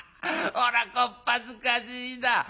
おらこっぱずかしいだ」。